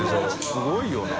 すごいよな。